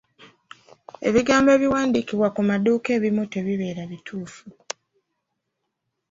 Ebigambo ebiwandiikibwa ku maduuka ebimu tebibeera bituufu.